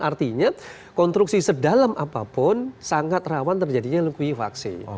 artinya konstruksi sedalam apapun sangat rawan terjadinya lukui vaksin